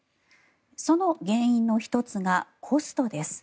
その原因の１つがコストです。